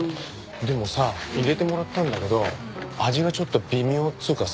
でもさ入れてもらったんだけど味がちょっと微妙っつうかさ。